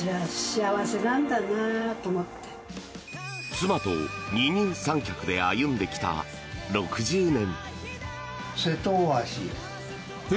妻と二人三脚で歩んできた６０年。